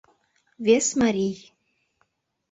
Вес марий.